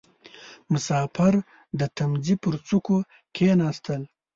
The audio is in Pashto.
• مسافر د تمځي پر څوکۍ کښېناست.